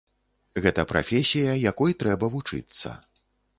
Гэта прафесія, якой трэба вучыцца.